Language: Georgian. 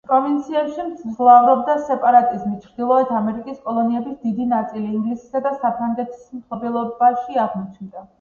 პროვინციებში მძლავრობდა სეპარატიზმი, ჩრდილოეთ ამერიკის კოლონიების დიდი ნაწილი ინგლისისა და საფრანგეთის მფლობელობაში აღმოჩნდა.